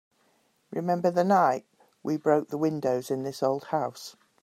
Remember the night we broke the windows in this old house?